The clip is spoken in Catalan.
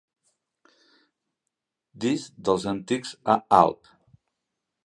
Disc dels antics a Alp.